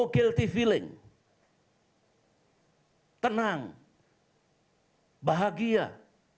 jadi dengan gereja kekasih